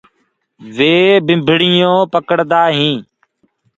وي ڀمڀڻيونٚ پڙدآ هينٚ۔